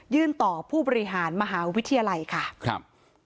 ยื่นต่อผู้บริหารมหาวิทยาลัยครับ